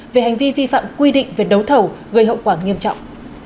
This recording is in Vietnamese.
về hành vi vi phạm quy định về đấu thầu gây hậu quả nghiêm trọng